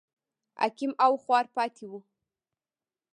عقیم او خوار پاتې و.